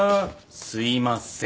すいません。